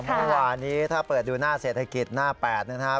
เมื่อวานนี้ถ้าเปิดดูหน้าเศรษฐกิจหน้า๘นะครับ